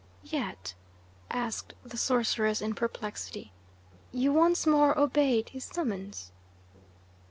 "Yet," asked the sorceress in perplexity, "you once more obeyed his summons?"